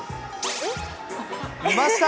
いました！